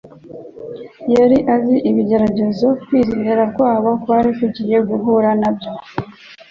Yari azi ibigeragezo kwizera kwabo kwari kugiye guhura na byo.